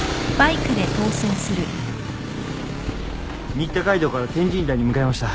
新田街道から天神台に向かいました。